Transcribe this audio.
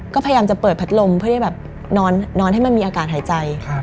ก็พยายามจะเปิดพัดลมเพื่อได้แบบนอนให้มันมีอากาศหายใจ